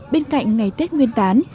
bên cạnh ngày tết nguyên tán